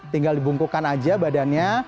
tinggal dibungkukan aja badannya